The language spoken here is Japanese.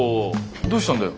どうしたんだよ？